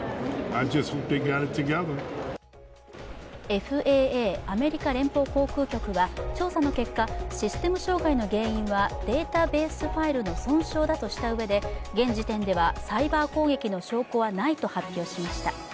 ＦＡＡ＝アメリカ連邦航空局は調査の結果、システム障害の原因はデータベースファイルの損傷だとしたうえで、現時点では、サイバー攻撃の証拠はないと発表しました。